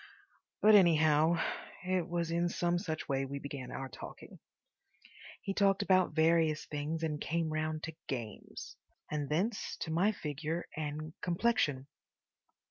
But, anyhow, it was in some such way we began our talking. He talked about various things and came round to games. And thence to my figure and complexion.